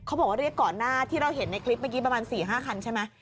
เขาบอกว่าเรียกก่อนหน้าที่เราเห็นในคลิปเมื่อกี้ประมาณ๔๕คันใช่ไหม